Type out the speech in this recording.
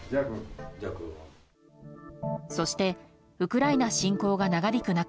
そしてウクライナ侵攻が長引く中